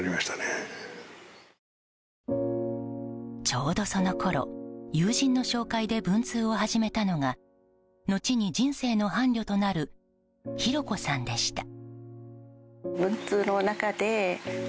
ちょうど、そのころ友人の紹介で文通を始めたのが後に人生の伴侶となる弘子さんでした。